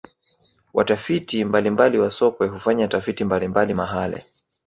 watafiti mbalimbali wa sokwe hufanya tafiti mbalimbali mahale